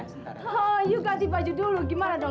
yu ganti baju dulu gimana dong